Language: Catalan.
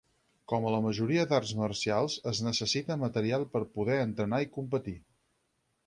Com a la majoria d'arts marcials, es necessita material per poder entrenar i competir.